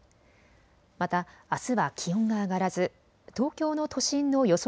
また、あすは気温が上がらず東京の都心の予想